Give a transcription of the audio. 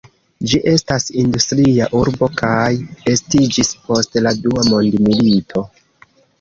Ĝi estas industria urbo kaj estiĝis post la dua mondmilito.